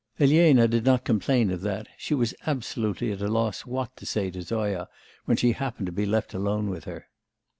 Elena did not complain of that; she was absolutely at a loss what to say to Zoya when she happened to be left alone with her.